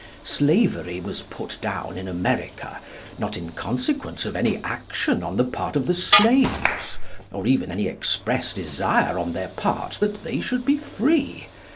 Slavery was put down in America, not in consequence of any action on the part of the slaves, or even any express desire on their part that they should be free.